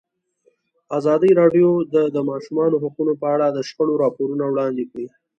ازادي راډیو د د ماشومانو حقونه په اړه د شخړو راپورونه وړاندې کړي.